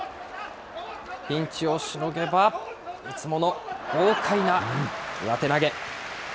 ピンチをしのげば、いつもの豪快な上手投げ。